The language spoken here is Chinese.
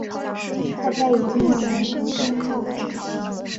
大家一定要严格遵照执行